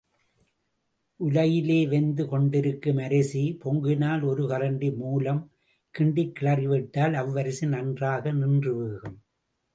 உலையிலே வெந்து கொண்டிருக்கும் அரிசி பொங்கினால், ஒரு கரண்டி மூலம் கிண்டிக் கிளறிவிட்டால் அவ்வரிசி நன்றாக நின்று வேகும்.